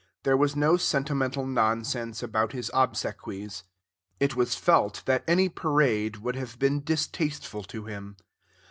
There was no sentimental nonsense about his obsequies; it was felt that any parade would have been distasteful to him.